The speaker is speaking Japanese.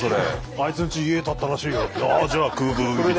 「あいつんち家建ったらしいよ」。